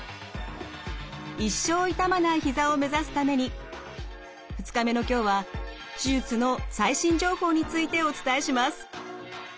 一生痛まないひざを目指すために２日目の今日は手術の最新情報についてお伝えします。